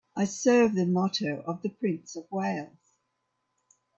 I serve the motto of the Prince of Wales